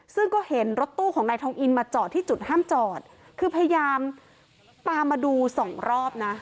ซึ่งก็เห็นรถตู้ของนายทองอินมาจอดที่จุดห้ามจอดคือพยายามตามมาดูสองรอบนะ